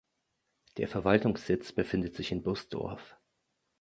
Der Verwaltungssitz befindet sich in Busdorf.